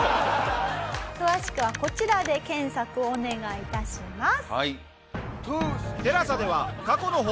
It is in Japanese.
詳しくはこちらで検索をお願いいたします。